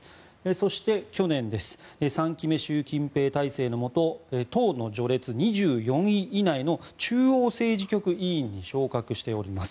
そして、去年３期目の習近平体制のもと党の序列２４位以内の中央政治局委員に昇格しております。